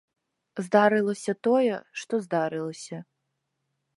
Здарылася тое, што здарылася.